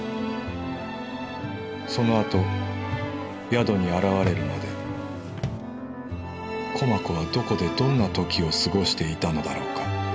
そのあと宿に現れるまで駒子はどこでどんな時を過ごしていたのだろうか。